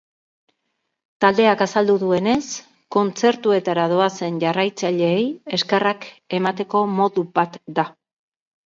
Taldeak azaldu duenez, kontzertuetara doazen jarraitzaileei eskerrak emateko modu bat da.